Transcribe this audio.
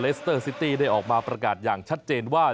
ทางสมสอร์เลสเตอร์ซิตี้ได้ออกมาประกาศอย่างชัดเจนว่า